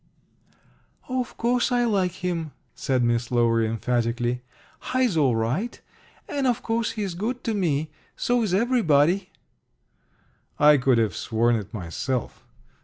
"Of course I like him," said Miss Lowery emphatically. "Hi's all right. And of course he's good to me. So is everybody." I could have sworn it myself.